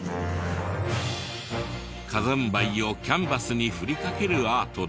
火山灰をキャンバスに振りかけるアートで。